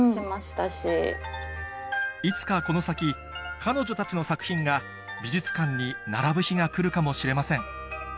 いつかこの先彼女たちの作品が美術館に並ぶ日が来るかもしれません